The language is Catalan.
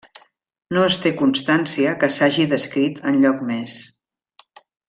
No es té constància que s'hagi descrit enlloc més.